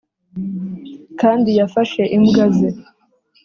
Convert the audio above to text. kandi yafashe imbwa ze